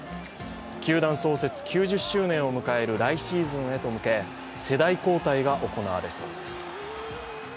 球団創設９０周年を迎える来シーズンへ向け世代交代が行われそうです。